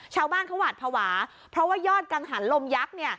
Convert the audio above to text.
ชาวบ้านเขาหวาดภาวะเพราะว่ายอดกังหันลมยักษ์